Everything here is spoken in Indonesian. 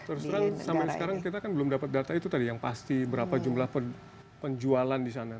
terus terang sampai sekarang kita kan belum dapat data itu tadi yang pasti berapa jumlah penjualan di sana